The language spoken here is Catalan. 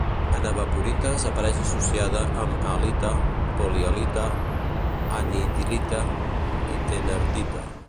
En evaporites apareix associada amb halita, polihalita, anhidrita i thenardita.